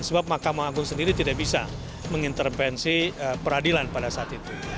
sebab mahkamah agung sendiri tidak bisa mengintervensi peradilan pada saat itu